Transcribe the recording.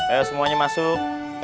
ayo semuanya masuk